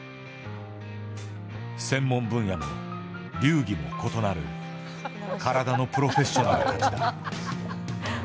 専門分野も流儀も異なる体のプロフェッショナルたちだ。